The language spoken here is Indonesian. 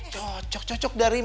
cocok cocok dari mana